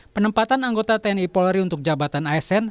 penempatan anggota tni polri untuk jabatan asn